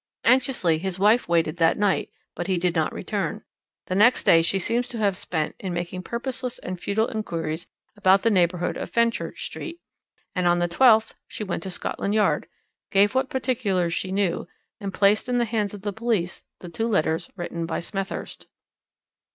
"Anxiously his wife waited that night, but he did not return; the next day she seems to have spent in making purposeless and futile inquiries about the neighbourhood of Fenchurch Street; and on the 12th she went to Scotland Yard, gave what particulars she knew, and placed in the hands of the police the two letters written by Smethurst."